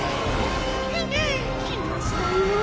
くぅ来ましたよ。